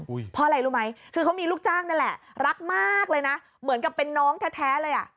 เพราะอะไรรู้ไหมคือเขามีลูกจ้างนั่นแหละรักมากเลยนะเหมือนกับเป็นน้องแท้เลยอ่ะ